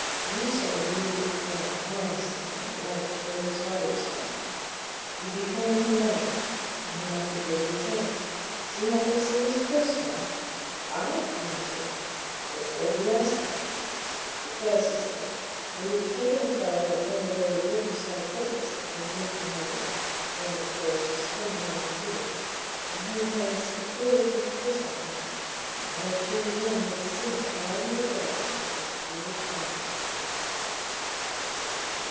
"You said you were with Crone, buying something, that night before his body was found. You'd be paying him money and he might be giving you change. Did you happen to see his purse, now?" "Aye!" answered I. "What for do you ask that?" "Because," said he, "we've taken a fellow at one of those riverside publics that's been drinking heavily, and, of course, spending money freely. And he has a queer looking purse on him, and one or two men that's seen it vows and declares it was Abel Crone's."